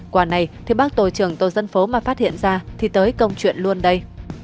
quả này thì bác tổ trưởng tổ dân phố mà phát hiện ra thì tới câu chuyện luôn đây